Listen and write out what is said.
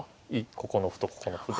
ここの歩とここの歩で。